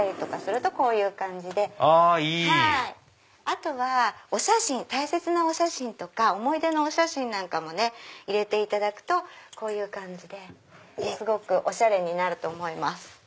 あとは大切なお写真とか思い出のお写真なんかも入れていただくとこういう感じですごくおしゃれになると思います。